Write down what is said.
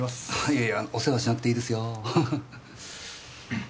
いやいやお世話しなくていいですよ。